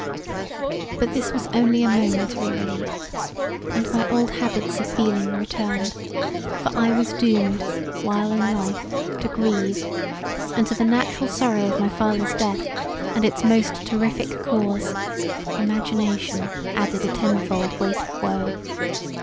But this was only a momentary relief and my old habits of feeling returned; for I was doomed while in life to grieve, and to the natural sorrow of my father's death and its most terrific cause, immagination added a tenfold weight of woe.